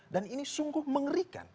dan ini sungguh mengerikan